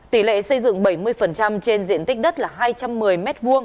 tỷ lệ xây dựng bảy mươi trên diện tích đất là hai trăm một mươi m hai